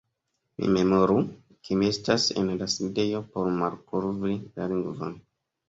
Mi memoru, ke mi estas en la sidejo por malkovri la lingvon.